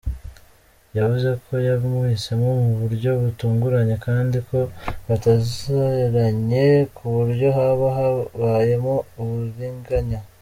Yavuze ko yamuhisemo mu buryo butunguranye kandi ko bataziranyi kuburyo haba habayemo uburiganya.